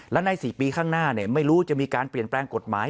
และใน๔ปีข้างหน้าไม่รู้จะมีการเปลี่ยนแปลงกฎหมาย